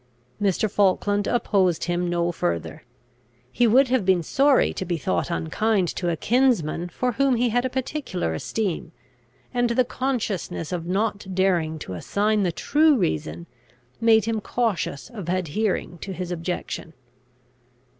Mr. Falkland opposed him no further. He would have been sorry to be thought unkind to a kinsman for whom he had a particular esteem; and the consciousness of not daring to assign the true reason, made him cautious of adhering to his objection.